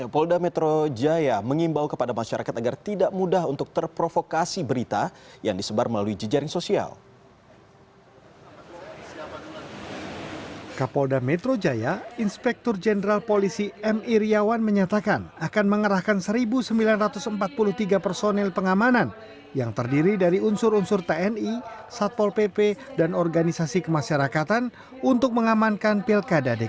polda metro jaya mengimbau kepada masyarakat agar tidak mudah untuk terprovokasi berita yang disebar melalui jejaring sosial